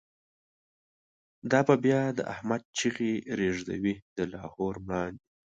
دا به بیا د« احمد» چیغی، ریږدوی د لاهور مړاندی